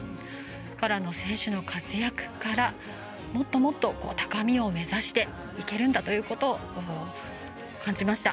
パラの選手の活躍からもっともっと高みを目指していけるんだということを感じました。